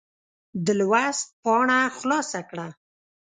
د لوست پاڼه خلاصه کړه.